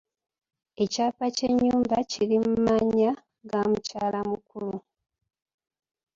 Ekyapa ky'ennyumba kiri mu mannya ga mukyala mukulu.